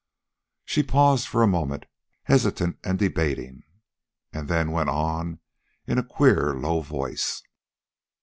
She paused for a moment, hesitant and debating, then went on in a queer low voice.